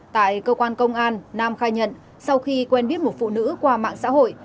tại cơ quan công an nam khai nhận sau khi quen biết một phụ nữ qua mạng xã hội